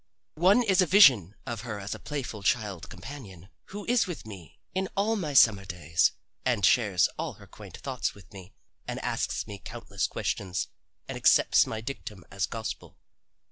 One is a vision of her as a playful child companion who is with me in all my summer days, and shares all her quaint thoughts with me, and asks me countless questions and accepts my dictum as gospel.